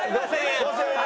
５０００円。